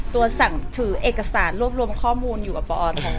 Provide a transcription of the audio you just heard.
สั่งถือเอกสารรวบรวมข้อมูลอยู่กับปอท